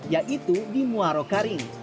yaitu di muarok karing